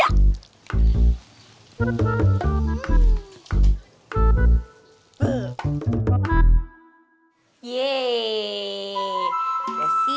aku mau ke rumah bu ranti